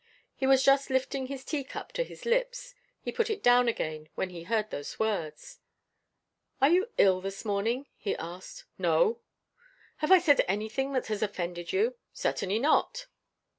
He was just lifting his teacup to his lips he put it down again when he heard those words. "Are you ill this morning?" he asked. "No." "Have I said anything that has offended you?" "Certainly not."